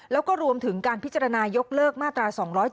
แล้วก็รวมถึงการพิจารณายกเลิกมาตรา๒๗